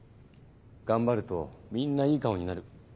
頑張るとみんないい顔になる。